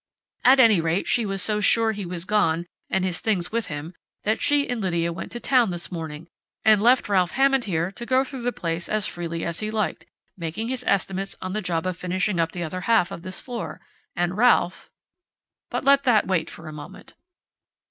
At any rate she was so sure he was gone and his things with him that she and Lydia went to town this morning and left Ralph Hammond here to go through the place as freely as he liked, making his estimates on the job of finishing up the other half of this floor. And Ralph but let that wait for the moment."